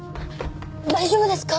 大丈夫ですか？